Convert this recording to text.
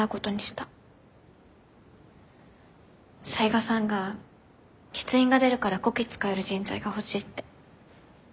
雑賀さんが欠員が出るからこき使える人材が欲しいって。